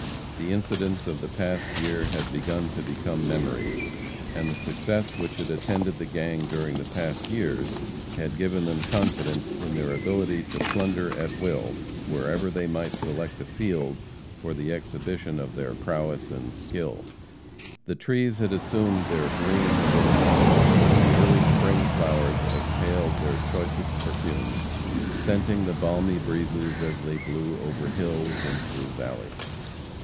The incidents of the past year had begun to become memories, and the success which had attended the gang during the past years had given them confidence in their ability to plunder at will wherever they might select a field for the exhibition of their prowess and skill. The trees had assumed their green habiliments, and the early spring flowers exhaled their choicest perfumes, scenting the balmy breezes as they blew over hills and through valleys.